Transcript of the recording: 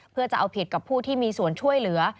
เพื่อจะเอาผิดกับผู้ที่มีส่วนช่วยเหลือ